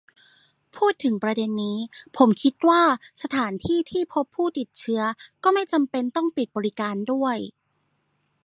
พูดถึงประเด็นนี้ ผมคิดว่าสถานที่ที่พบผู้ติดเชื้อก็ไม่จำเป็นต้องปิดบริการด้วย